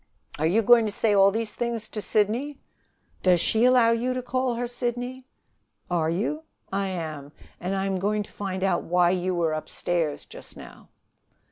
"Are you going to say all these things to Sidney?" "Does she allow you to call her Sidney?" "Are you?" "I am. And I am going to find out why you were upstairs just now."